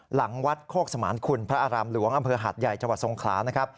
หลังวัดโชกสมารคุณพระอารามหลวงอำเภอหัดใหญ่จสงครา